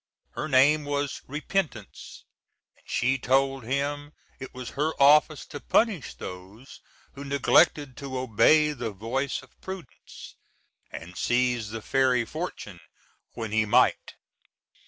Her name was Repentance, and she told him it was her office to punish those who neglected to obey the voice of Prudence, and seize the fairy Fortune when he might.